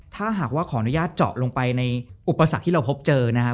ถ้าหากว่าขออนุญาตเจาะลงไปในอุปสรรคที่เราพบเจอนะครับ